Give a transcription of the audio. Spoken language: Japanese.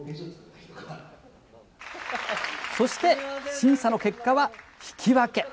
そして審査の結果は引き分け。